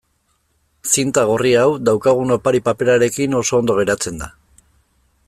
Zinta gorri hau daukagun opari-paperarekin oso ondo geratzen da.